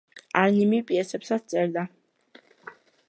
არნიმი პიესებსაც წერდა.